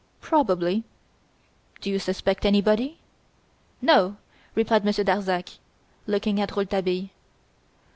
"Probably." "Do you suspect anybody?" "No," replied Monsieur Darzac, looking at Rouletabille.